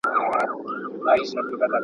موږ بايد د شخصي ژوند اړوند څومره دقيق واوسو؟